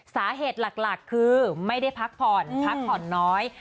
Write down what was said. สาเหตุหลักคือไม่ได้พักผ่อนพักผ่อนน้อย